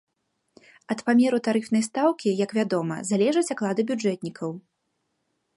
Ад памеру тарыфнай стаўкі, як вядома, залежаць аклады бюджэтнікаў.